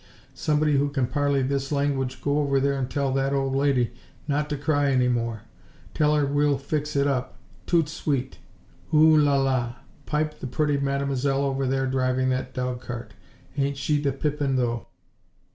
somebody who can parley this language go over there and tell that old lady not to cry any more. Tell her we'll fix it up, toot sweet. O o o! La, la! Pipe the pretty mademoiselle over there driving that dogcart. Ain't she the pippin though!